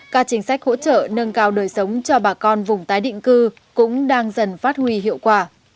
các chính sách hỗ trợ nâng cao đời sống cho bà con vùng tái định cư cũng đang dần phát huy hiệu quả